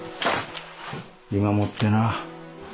今もってな。